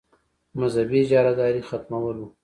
مذهبي اجاراداري ختمول وو.